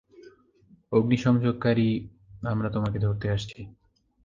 অগ্নিসংযোগকারী, আমরা তোমাকে ধরতে আসছি।